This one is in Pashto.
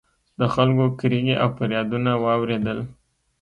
د خلکو کریغې او فریادونه واورېدل